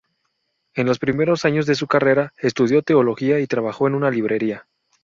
En los primeros años de su carrera estudió teología y trabajó en una librería.